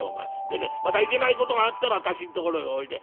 でねまたいけないことがあったら私んところへおいで。